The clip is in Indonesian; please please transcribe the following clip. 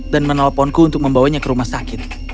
dan menelponku untuk membawanya ke rumah sakit